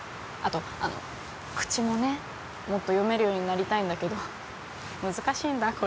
あとあの口もねもっと読めるようになりたいんだけど難しいんだ